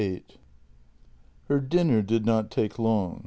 VIII H ER dinner did not take long.